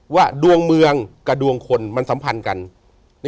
ว่าดวงเมืองกับดวงคนมันสัมพันธ์กัน